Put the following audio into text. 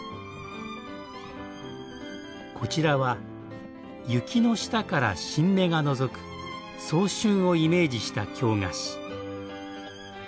こちらは雪の下から新芽がのぞく早春をイメージした京菓子。